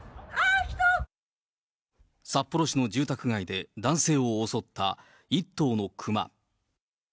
札幌市の住宅街で男性を襲った１頭の熊。